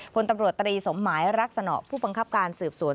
พลตำรวจตรีสมหมายรักษณะผู้บังคับการสืบสวน